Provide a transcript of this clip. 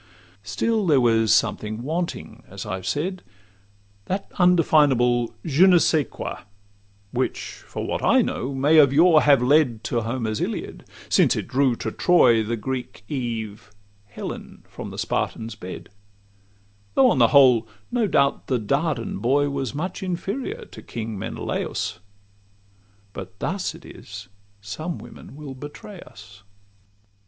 Still there was something wanting, as I've said— That undefinable 'Je ne scais quoi,' Which, for what I know, may of yore have led To Homer's Iliad, since it drew to Troy The Greek Eve, Helen, from the Spartan's bed; Though on the whole, no doubt, the Dardan boy Was much inferior to King Menelaus:— But thus it is some women will betray us.